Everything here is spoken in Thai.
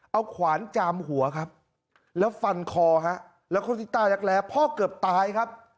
เอาขวานจามหัวครับแล้วฟันคอฮะแล้วข้อที่ต้ารักแร้พ่อเกือบตายครับ